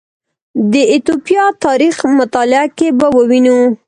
د ایتوپیا تاریخ مطالعه کې به ووینو